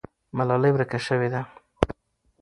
ملالۍ ورکه سوې ده.